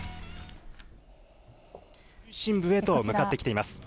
中心部へと向かってきています。